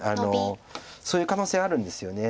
そういう可能性あるんですよね。